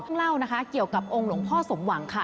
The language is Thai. ต้องเล่านะคะเกี่ยวกับองค์หลวงพ่อสมหวังค่ะ